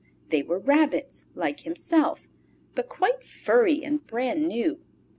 They were rabbits like himself, but quite furry and brand new.